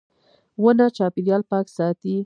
• ونه چاپېریال پاک ساتي.